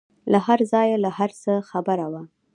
له هرځايه له هرڅه خبره وه.